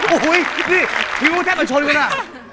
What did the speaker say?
โอ้โห้ยพี่พี่พูดแทบมาชนกันล่ะ